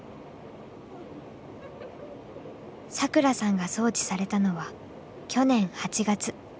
サクラさんが送致されたのは去年８月。